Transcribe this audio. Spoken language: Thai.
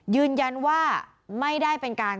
ยืนยันว่าไม่ได้เป็นการ